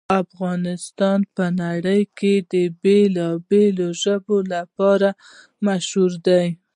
افغانستان په نړۍ کې د بېلابېلو ژبو لپاره مشهور دی.